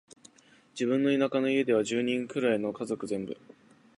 自分の田舎の家では、十人くらいの家族全部、